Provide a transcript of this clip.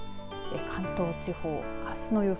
関東地方、あすの予想